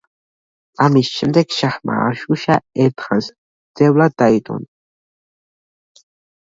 ამის შემდეგ შაჰმა არშუშა ერთხანს მძევლად დაიტოვა.